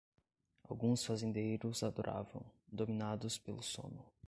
Alguns fazendeiros adoravam, dominados pelo sono.